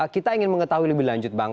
kita ingin mengetahui lebih lanjut bang